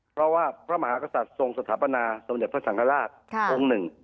เพราะว่าพระมหากษัตริย์ทรงสถาปนาสมเด็จพระสังฆราชองค์หนึ่ง